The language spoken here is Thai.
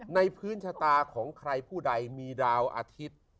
พื้นชะตาของใครผู้ใดมีดาวอาทิตย์